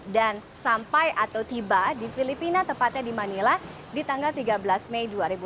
dan sampai atau tiba di filipina tepatnya di manila di tanggal tiga belas mei dua ribu enam belas